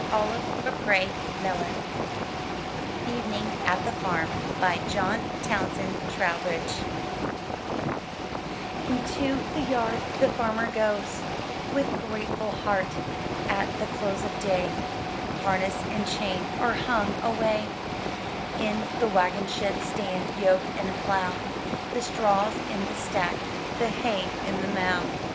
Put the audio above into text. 141 M Y BOOK HOUSE EVENING AT THE FARM* John Townsend Trowbridge Into the yard the farmer goes, With grateful heart, at the close of day; Harness and chain are hung away; In the wagon shed stand yoke and plough, The straw's in the stack, the hay in the mow.